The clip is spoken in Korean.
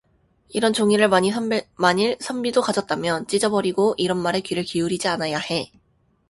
이런 종이를 만일 선비도 가졌다면 찢어 버리고 이런 말에 귀를 기울이지 않아야해.